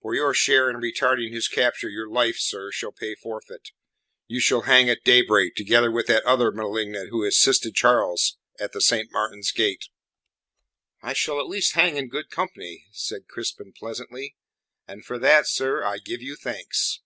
For your share in retarding his capture your life, sir, shall pay forfeit. You shall hang at daybreak together with that other malignant who assisted Charles at the Saint Martin's Gate." "I shall at least hang in good company," said Crispin pleasantly, "and for that, sir, I give you thanks."